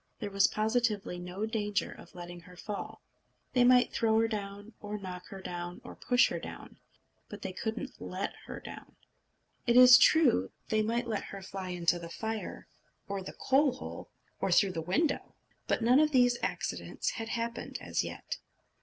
There was positively no danger of letting her fall. They might throw her down, or knock her down, or push her down, but they couldn't let her down. It is true, they might let her fly into the fire or the coal hole, or through the window; but none of these accidents had happened as yet.